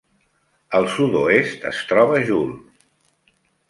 Al sud-oest es troba Joule.